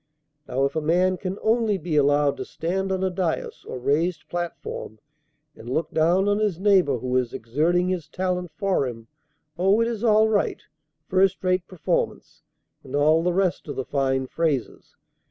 Now if a man can only be allowed to stand on a dais, or raised platform, and look down on his neighbor who is exerting his talent for him, oh, it is all right! first rate performance! and all the rest of the fine phrases.